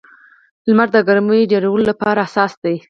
لمر د ګرمۍ ډېرولو لپاره اساس دی.